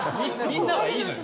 みんなはいいのよ